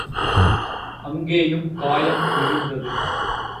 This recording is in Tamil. அங்கேயும் காயம் இருந்தது.